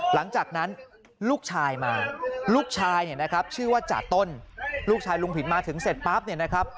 หลังจากนั้นลูกชายมาลูกชายเนี่ยนะครับชื่อว่าจ่าต้นลูกชายลุงผินมาถึงเสร็จปั๊บเนี่ยนะครับ